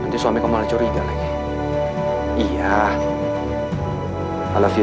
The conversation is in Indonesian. tidak ada apa apa lagi